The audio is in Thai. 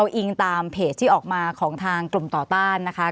อิงตามเพจที่ออกมาของทางกลุ่มต่อต้านนะคะ